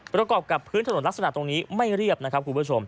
ประกอบกับพื้นถนนลักษณะตรงนี้ไม่เรียบนะครับคุณผู้ชม